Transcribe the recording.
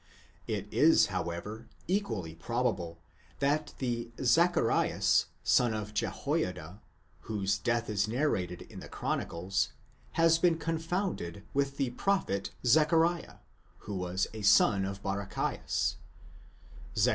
*! It is, however, equally probable, that the Zacharias, son of Jehoiada, whose death is narrated in the Chronicles, has been confounded with the prophet Zechariah, who was a son of Barachias (Zech.